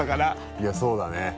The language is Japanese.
いやそうだね。